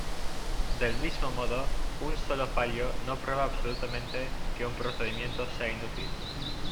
Del mismo modo, un solo fallo no prueba absolutamente que un procedimiento sea inútil.